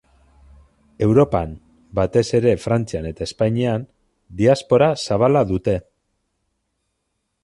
Europan, batez ere Frantzian eta Espainian, diaspora zabala dute.